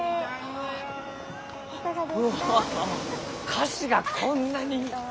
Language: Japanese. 菓子がこんなに！？